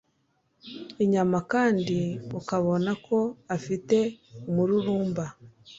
inyama kandi ukabona ko afite umururumba